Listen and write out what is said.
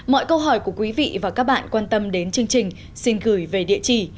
mọi câu hỏi của quý vị và các bạn quan tâm đến chương trình xin gửi về địa chỉ